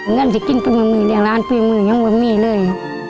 เงินที่กินก็ไม่มีเรียงล้านปีมือยังไม่มีเลย